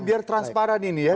biar transparan ini ya